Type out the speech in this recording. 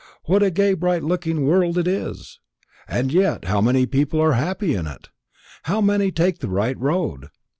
What a gay bright looking world it is! And yet how many people are happy in it? how many take the right road?